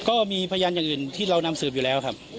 ก็มีพยานอย่างอื่นที่เรานำสืบอยู่แล้วครับ